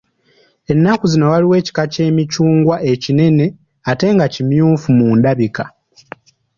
Ennaku zino waliwo ekika ky'emicungwa ekinene ate nga kimyufu mu ndabika.